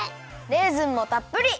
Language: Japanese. レーズンもたっぷり！